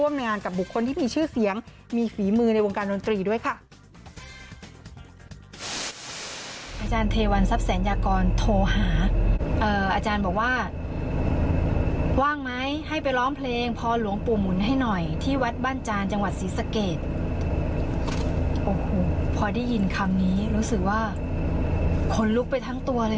ฝีมือในวงการดนตรีด้วยค่ะ